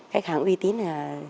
khách hàng uy tín là